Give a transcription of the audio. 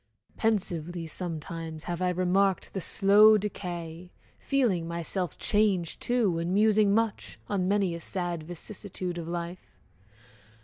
Pensively Sometimes have I remarked the slow decay, Feeling myself changed, too, and musing much, On many a sad vicissitude of life!